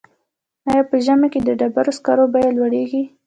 آیا په ژمي کې د ډبرو سکرو بیه لوړیږي؟